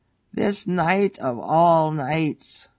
("This night of all nights!"